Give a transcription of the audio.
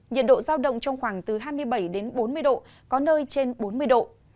nhiệt độ giao động trong khoảng từ hai mươi bảy đến bốn mươi độ có nơi trên bốn mươi độ